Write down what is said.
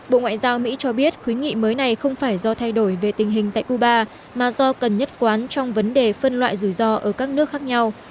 bộ ngoại giao mỹ cho biết khuyến nghị mới này không phải do thay đổi về tình hình tại cuba mà do cần nhất quán trong vấn đề phân loại rủi ro ở các nước khác nhau